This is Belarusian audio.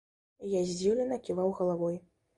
І я здзіўлена ківаў галавой.